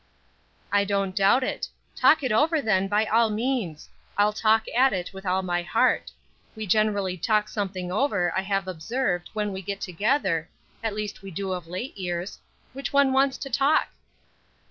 "I don't doubt it. Talk it over then by all means. I'll talk at it with all my heart. We generally do talk something over, I have observed, when we get together; at least we do of late years. Which one wants to talk?"